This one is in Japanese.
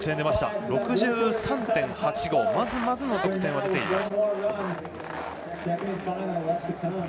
まずまずの得点は出ています。